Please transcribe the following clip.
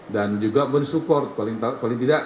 jengan men support paling tidak